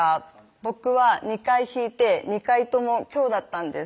「僕は２回引いて２回とも凶だったんです」